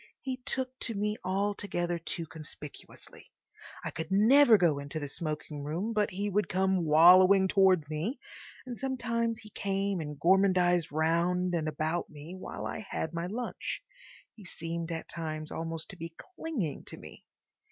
He took to me altogether too conspicuously. I could never go into the smoking room but he would come wallowing towards me, and sometimes he came and gormandised round and about me while I had my lunch. He seemed at times almost to be clinging to me.